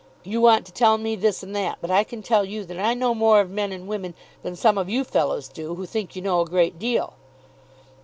You want to tell me this and that, but I can tell you that I know more of men and women than some of you fellows do, who think you know a great deal."